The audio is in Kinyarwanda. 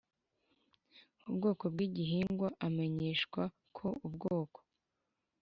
ubwoko bwigihingwa amenyeshwa ko ubwoko